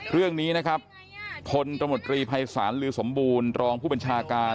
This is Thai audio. เรื่องนี้คนตลภัยศาลลือสมบูรณ์รองผู้เป็นชาการ